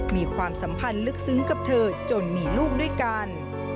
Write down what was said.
มีความสัมพันธ์ลึกซึ้งกับเธอจนมีลูกด้วยกัน